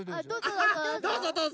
どうぞどうぞ。